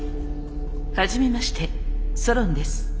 初めましてソロンです。